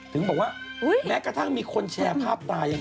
ถึงบอกว่าแม้กระทั่งมีคนแชร์ภาพตายัง